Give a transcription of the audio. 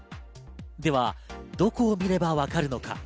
では、どこを見ればわかるのか。